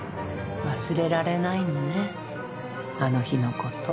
忘れられないのねあの日のこと。